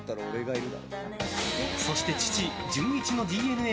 そして父・純一のＤＮＡ